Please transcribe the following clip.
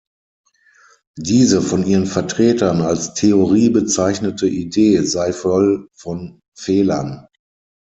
Diese von ihren Vertretern als Theorie bezeichnete Idee sei voll von Fehlern.